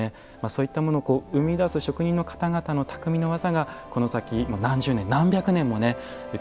そういったものを生み出す職人の方々の匠の技がこの先何十年何百年もね受け継がれていってほしいなと。